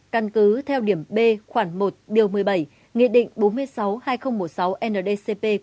căn cứ theo điểm b khoảng một điều một mươi bảy nghị định bốn mươi sáu hai nghìn một mươi sáu ndcp